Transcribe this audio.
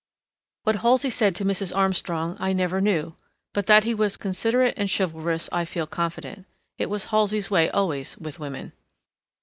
What Halsey said to Mrs. Armstrong I never knew, but that he was considerate and chivalrous I feel confident. It was Halsey's way always with women.